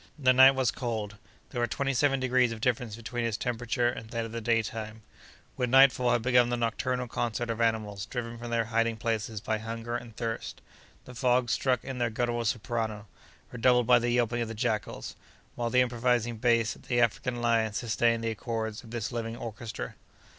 The night was cold. There were twenty seven degrees of difference between its temperature and that of the daytime. With nightfall had begun the nocturnal concert of animals driven from their hiding places by hunger and thirst. The frogs struck in their guttural soprano, redoubled by the yelping of the jackals, while the imposing bass of the African lion sustained the accords of this living orchestra.